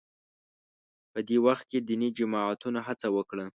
په دې وخت کې دیني جماعتونو هڅه وکړه